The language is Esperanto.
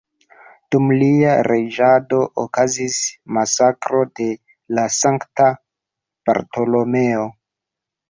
Dum lia reĝado okazis masakro de la Sankta Bartolomeo.